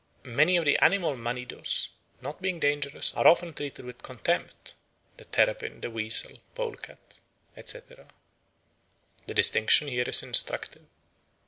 ... Many of the animal manidos, not being dangerous, are often treated with contempt the terrapin, the weasel, polecat, etc." The distinction is instructive.